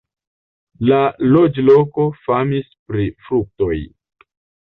La loĝloko famis pri fruktoj.